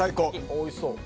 おいしそう。